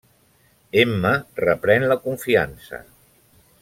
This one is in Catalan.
Emma reprèn la confiança.